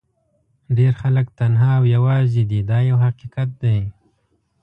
ډېر خلک تنها او یوازې دي دا یو حقیقت دی.